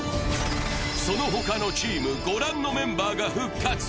その他のチーム、ご覧のメンバーが復活。